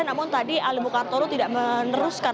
namun tadi ali mukartono tidak meneruskan